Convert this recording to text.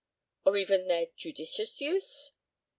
Or even their judicious use?